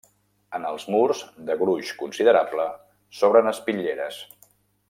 En els murs, de gruix considerable, s'obren espitlleres.